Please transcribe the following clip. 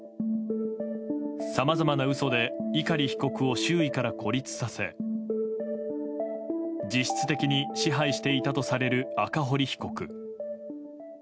さまざまな嘘で碇被告を周囲から孤立させ実質的に支配していたとされる赤堀被告。